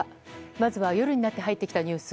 まずは夜になって入ってきたニュース。